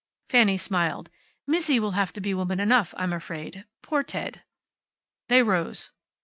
Fanny smiled. "Mizzi will have to be woman enough, I'm afraid. Poor Ted." They rose.